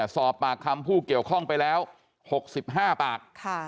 สอบปากคำผู้เกี่ยวข้องไปแล้ว๖๕ปาก